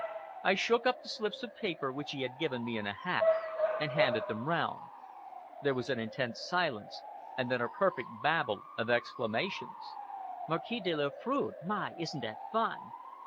I shook up the slips of paper, which he had given me in a hat, and handed them round. There was an intense silence, and then a perfect babel of exclamations. "Marquise de Lafoudrè! My, isn't that fine!"